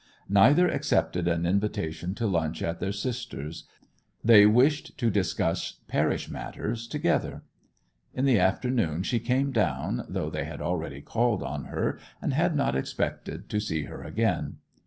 Neither accepted an invitation to lunch at their sister's; they wished to discuss parish matters together. In the afternoon she came down, though they had already called on her, and had not expected to see her again.